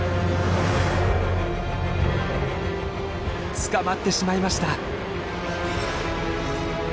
捕まってしまいました。